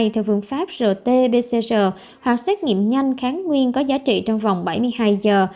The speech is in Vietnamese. theo phương pháp rt pcr hoặc xét nghiệm nhanh kháng nguyên có giá trị trong vòng bảy mươi hai giờ